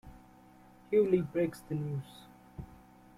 Hughley Breaks the News.